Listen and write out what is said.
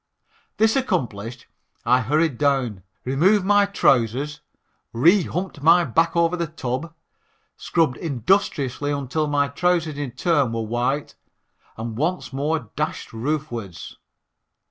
This accomplished, I hurried down, removed my trousers, rehumped my back over the tub, scrubbed industriously until the trousers in turn were white and once more dashed roofwards.